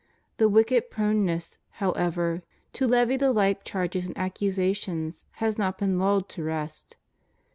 The wicked proneness, however, to levy the like charges and accusations has not been lulled to rest.